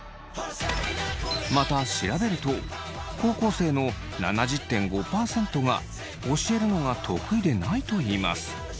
また調べると高校生の７０．５％が教えるのが得意でないといいます。